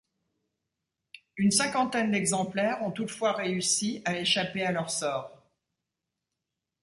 Une cinquantaine d'exemplaires ont toutefois réussi à échapper à leur sort.